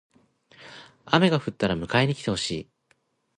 雨が降ったら迎えに来てほしい。